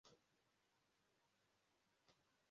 Koga arimo akora umugongo muri pisine